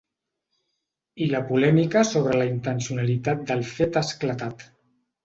I la polèmica sobre la intencionalitat del fet ha esclatat.